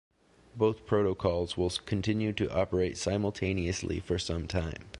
Both protocols will continue to operate simultaneously for some time.